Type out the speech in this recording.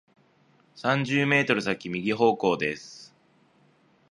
三十メートル先、右方向です。